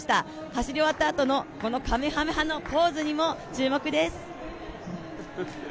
走り終わったあとのかめはめ波のポーズにも注目です。